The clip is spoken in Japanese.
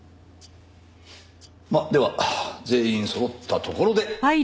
まっでは全員そろったところで。